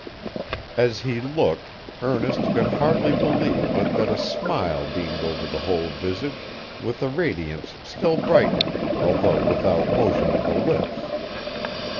As he looked, Ernest could hardly believe but that a smile beamed over the whole visage, with a radiance still brightening, although without motion of the lips.